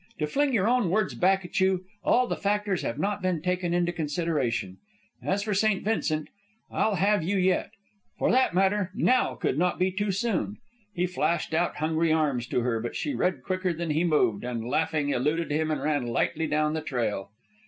To fling your own words back at you, all the factors have not been taken into consideration. As for St. Vincent ... I'll have you yet. For that matter, now could not be too soon!" He flashed out hungry arms to her, but she read quicker than he moved, and, laughing, eluded him and ran lightly down the trail.